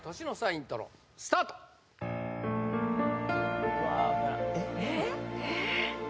イントロスタートえっ？